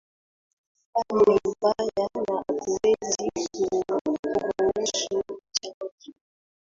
Hali ni mbaya na hatuwezi kuruhusu chanzo